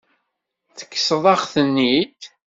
Tekkseḍ-aɣ-ten-id.